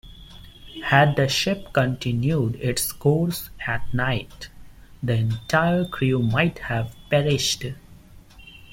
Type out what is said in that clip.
Had the ship continued its course at night, the entire crew might have perished.